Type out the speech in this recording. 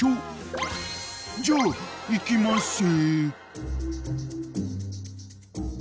［じゃあいきまっせ］